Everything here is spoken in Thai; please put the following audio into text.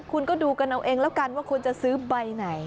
คุณก็ดูกันเอาเองแล้วกันว่าควรจะซื้อใบไหน